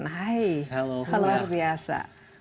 hai luar biasa